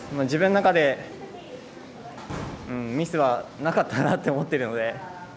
自分の中でミスはなかったなって思っているので。